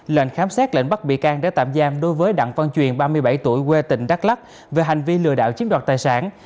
lệnh khám xét lệnh bắt bị can để tạm giam đối với đặng văn truyền ba mươi bảy tuổi quê tỉnh đắk lắc về hành vi lừa đảo chiếm đoạt tài sản